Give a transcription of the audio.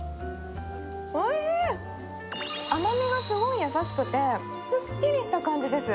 甘みがすごい優しくてすっきりした感じです。